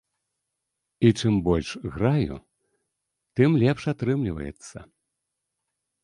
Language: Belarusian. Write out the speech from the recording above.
І чым больш граю, ты лепш атрымліваецца.